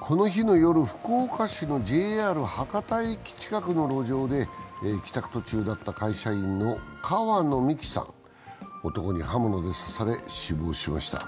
この日の夜、福岡市のＪＲ博多駅近くの路上で帰宅途中だった会社員の川野美樹さん、男に刃物で刺され死亡しました。